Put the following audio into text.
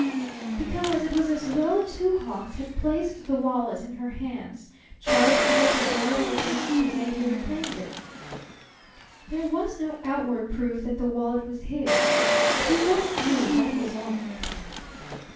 Because it was as though Two Hawks had placed the wallet in her hands, charging her to guard it against the day he reclaimed it. There was no outward proof that the wallet was his. She just knew, that was all.